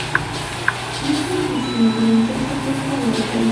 موزیک د زېږون جشن ته خوند ورکوي.